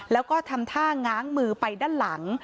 แล้วก็ทำท่าง้างมือไปด้านหลัง